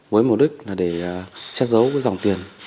với mục đích là để che giấu dòng tiền